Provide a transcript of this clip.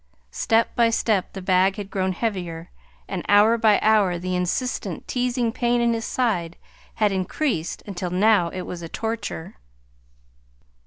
Step by step the bag had grown heavier, and hour by hour the insistent, teasing pain in his side had increased until now it was a torture.